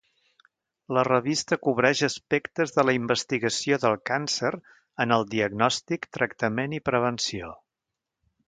La revista cobreix aspectes de la investigació del càncer en el diagnòstic, tractament, i prevenció.